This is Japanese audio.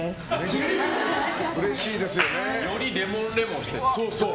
よりレモンレモンしてる。